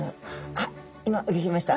あっ今うギョきました。